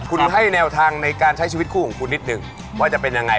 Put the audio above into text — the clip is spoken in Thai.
คุณให้แนวทางในการใช้ชีวิตคู่ของคุณนิดนึงว่าจะเป็นยังไง